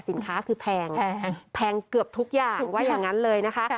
สินค้าคือแพงแพงเกือบทุกอย่างว่าอย่างนั้นเลยนะคะ